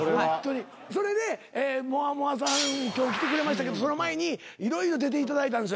それでモアモアさん今日来てくれましたけどその前に色々出ていただいたんですよ。